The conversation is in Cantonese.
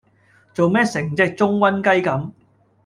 做咩成隻舂瘟雞咁